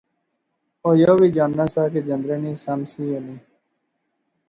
او یو وی جاننا سا کہ جندرے نی سم سی ہونی